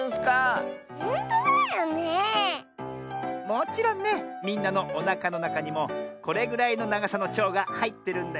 もちろんねみんなのおなかのなかにもこれぐらいのながさのちょうがはいってるんだよ。